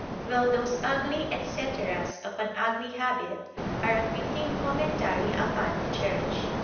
Well, those ugly etceteras of an ugly habit are a fitting commentary upon the Church.